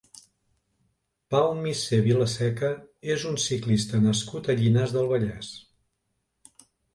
Pau Misser Vilaseca és un ciclista nascut a Llinars del Vallès.